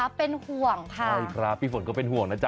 เป็นห่วงค่ะใช่ครับพี่ฝนก็เป็นห่วงนะจ๊